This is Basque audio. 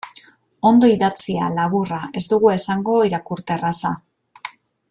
Ondo idatzia, laburra, ez dugu esango irakurterraza.